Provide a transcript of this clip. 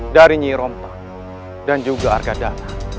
dari nyi rompang dan juga arkadana